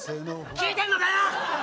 聞いてんのかよ！